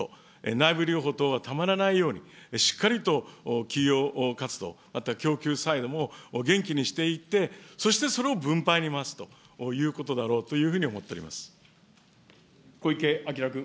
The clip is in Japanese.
内部留保等はたまらないように、しっかりと企業活動、また供給サイドも元気にしていって、そしてそれを分配に回すということだろうというふうに思っており小池晃君。